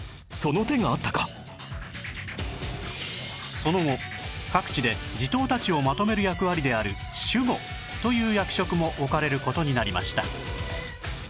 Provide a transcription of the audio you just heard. その後各地で地頭たちをまとめる役割である守護という役職も置かれる事になりました